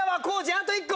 あと１個！